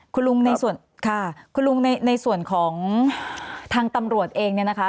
คุณลุงในส่วนของทางตำรวจเองเนี่ยนะคะ